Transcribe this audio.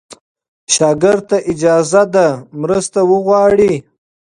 شاګرد ته اجازه ده مرسته وغواړي.